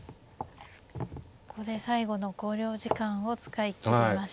ここで最後の考慮時間を使い切りました。